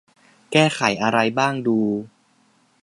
แก้ไขอะไรบ้างดู